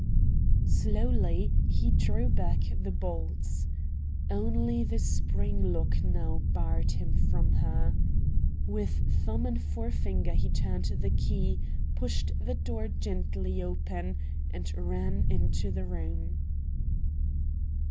Slowly he drew back the bolts. Only the spring lock now barred him from her. With thumb and forefinger he turned the key, pushed the door gently open, and ran into the room.